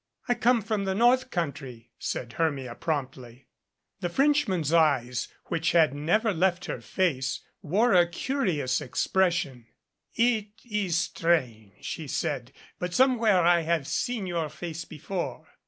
"I come from the North country," said Hermia promptly. The Frenchman's eyes which had never left her face wore a curious expression. "It is strange," he said, "but somewhere I have seen your face before."